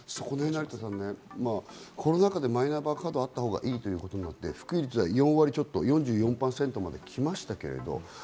成田さん、コロナ禍でマイナンバーカードあったほうがいいということになって、普及率が４割ちょっと、４４％まで来ましたけど。